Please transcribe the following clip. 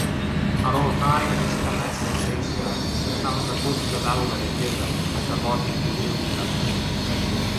Ar ôl rhai ysgarmesau treisgar, cafodd y gwrthryfelwyr eu curo a'u gorfodi i ildio.